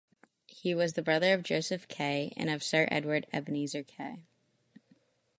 He was the brother of Joseph Kay and of Sir Edward Ebenezer Kay.